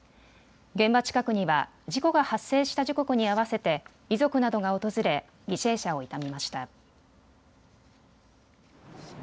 現場近くには事故が発生した時刻に合わせて遺族などが訪れ犠牲者を悼みました。